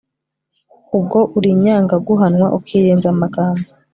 Ubwo uri inyangaguhanwa Ukirenza amagambo